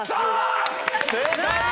正解！